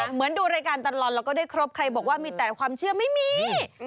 เหมือนดูรายการตลอดแล้วก็ได้ครบใครบอกว่ามีแต่ความเชื่อไม่มี